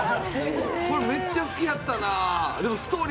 これ、めっちゃ好きだったな。